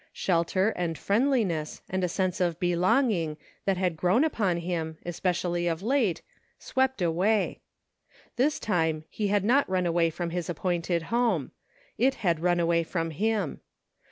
Shelter, and friendliness, 178 "ORDERS TO MOVE." and a sense of "belonging" that had grown upon him, especially of late, swept away. This time he had not run away from his appointed home ; it had run away from him.